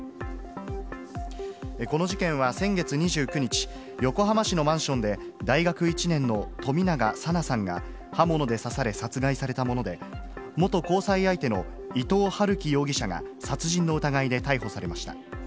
この事件は先月２９日、横浜市のマンションで、大学１年の冨永紗菜さんが、刃物で刺され殺害されたもので、元交際相手の伊藤龍稀容疑者が殺人の疑いで逮捕されました。